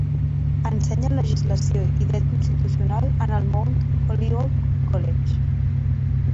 Ensenya legislació i dret constitucional en el Mount Holyoke College.